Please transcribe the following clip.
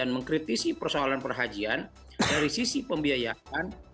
mengkritisi persoalan perhajian dari sisi pembiayaan